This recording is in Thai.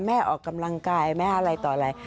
ออกกำลังกายแม่อะไรต่ออะไร